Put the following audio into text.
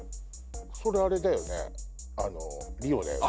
それあれだよねリオだよね。